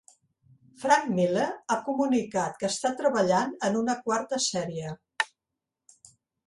Frank Miller ha comunicat que està treballant en una quarta sèrie.